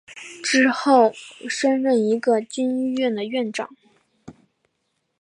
之后升任一个军医院的院长。